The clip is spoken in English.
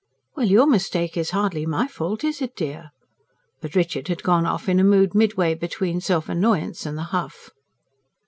"Well, your mistake is hardly my fault, is it, dear?" But Richard had gone off in a mood midway between self annoyance and the huff.